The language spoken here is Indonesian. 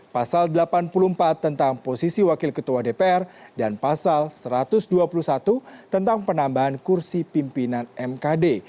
pasal delapan puluh empat tentang posisi wakil ketua dpr dan pasal satu ratus dua puluh satu tentang penambahan kursi pimpinan mkd